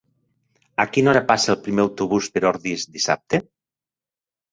A quina hora passa el primer autobús per Ordis dissabte?